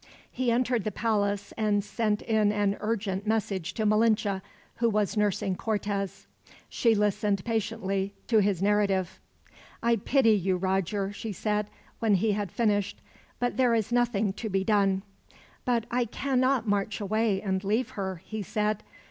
He entered the palace, and sent in an urgent message to Malinche, who was nursing Cortez. She listened patiently to his narrative. "I pity you, Roger," she said, when he had finished; "but there is nothing to be done." "But I cannot march away and leave her," he said.